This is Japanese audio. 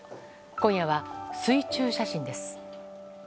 今夜は水中写真です。